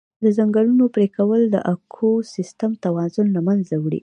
د ځنګلونو پرېکول د اکوسیستم توازن له منځه وړي.